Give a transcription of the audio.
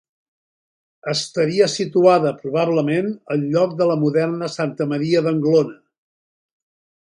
Estaria situada probablement al lloc de la moderna Santa Maria d'Anglona.